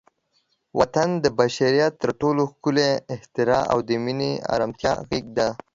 وطن د بشریت تر ټولو ښکلی اختراع او د مینې، ارامتیا غېږه ده.